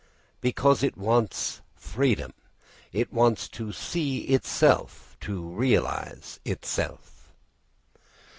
Because it wants freedom. It wants to see itself, to realise itself.